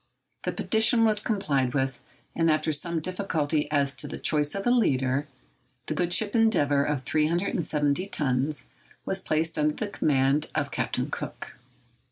The petition was complied with, and after some difficulty as to the choice of a leader, the good ship 'Endeavour,' of 370 tons, was placed under the command of Captain Cook.